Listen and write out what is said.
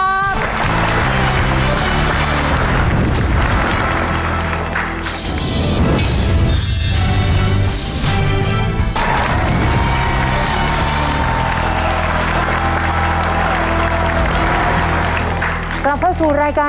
ตัวเลือกที่สองวนทางซ้าย